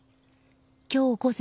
今日午前